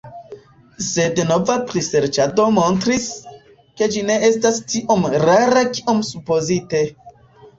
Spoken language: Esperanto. Sed nova priserĉado montris, ke ĝi ne estas tiom rara kiom supozite.